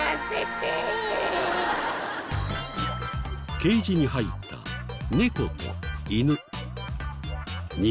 ケージに入った猫と犬。